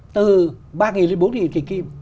từ ba nghìn xuống bốn nghìn thì kì kìm